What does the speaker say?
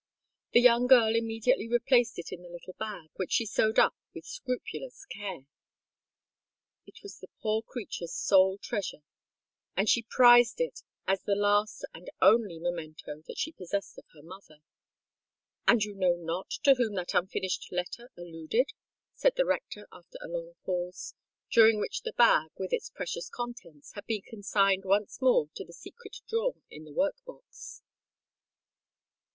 The young girl immediately replaced it in the little bag, which she sewed up with scrupulous care. It was the poor creature's sole treasure; and she prized it as the last and only memento that she possessed of her mother. "And you know not to whom that unfinished letter alluded?" said the rector, after a long pause, during which the bag, with its precious contents, had been consigned once more to the secret drawer in the work box.